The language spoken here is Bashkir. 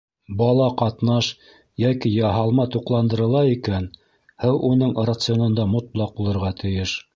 Бала ҡатнаш йәки яһалма туҡландырыла икән, һыу уның рационында мотлаҡ булырға тейеш.